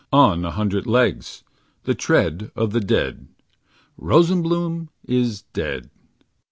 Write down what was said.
On a hundred legs, the tread Of the dead. Rosenbloom is dead.